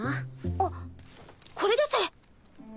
あっこれです。